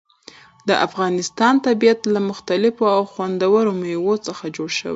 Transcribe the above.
د افغانستان طبیعت له مختلفو او خوندورو مېوو څخه جوړ شوی دی.